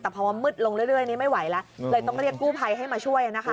แต่พอมันมืดลงเรื่อยนี้ไม่ไหวแล้วเลยต้องเรียกกู้ภัยให้มาช่วยนะคะ